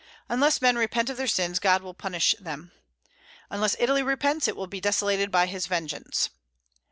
Unless men repent of their sins, God will punish them. Unless Italy repents, it will be desolated by His vengeance."